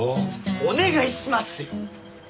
お願いしますよ！